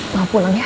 mau pulang ya